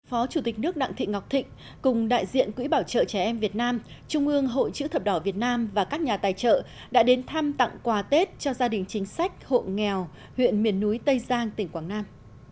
phó chủ tịch nước đặng thị ngọc thịnh cùng đại diện quỹ bảo trợ trẻ em việt nam trung ương hội chữ thập đỏ việt nam và các nhà tài trợ đã đến thăm tặng quà tết cho gia đình chính sách hộ nghèo huyện miền núi tây giang tỉnh quảng nam